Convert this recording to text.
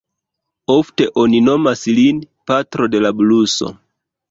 Ofte oni nomas lin „patro de la bluso"“.